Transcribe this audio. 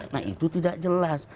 nah itu tidak jelas